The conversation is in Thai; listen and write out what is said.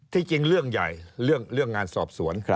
จริงเรื่องใหญ่เรื่องงานสอบสวน